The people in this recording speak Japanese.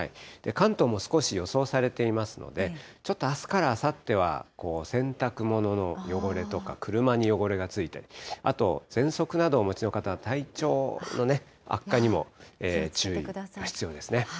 関東も少し予想されていますので、ちょっと、あすからあさっては洗濯物の汚れとか車に汚れがついて、あと、ぜんそくなどお持ちの方は体調の悪化にも注意が必要ですね。